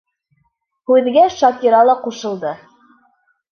Һүҙгә Шакира ла ҡушылды: